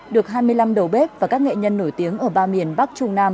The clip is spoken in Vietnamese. được hai mươi năm đầu bếp và các nghệ nhân nổi tiếng ở ba miền bắc trung nam